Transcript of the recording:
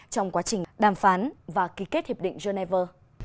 trong quá trình đàm phán và ký kết hiệp định geneva